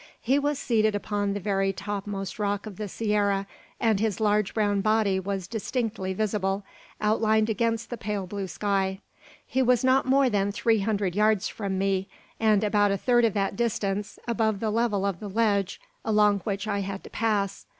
He was seated upon the very topmost rock of the sierra, and his large brown body was distinctly visible, outlined against the pale blue sky. He was not more than three hundred yards from me, and about a third of that distance above the level of the ledge along which I had to pass.